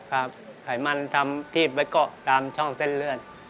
ไขมันทำที่ไปเกาะตามช่องเส้นเลือด